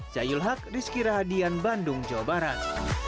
saya yul haq rizky rahadian bandung jawa barat